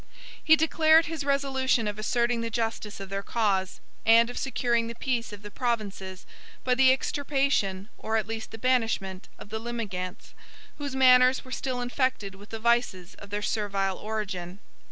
He declared his resolution of asserting the justice of their cause, and of securing the peace of the provinces by the extirpation, or at least the banishment, of the Limigantes, whose manners were still infected with the vices of their servile origin.